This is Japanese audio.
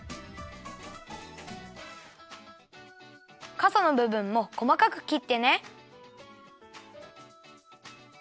かさのぶぶんもこまかくきってね。